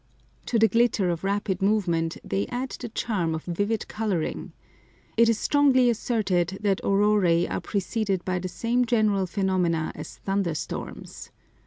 To the glitter of rapid movement they add the charm of vivid colouring. It is strongly asserted that auroræ are preceded by the same general phenomena as thunder storms.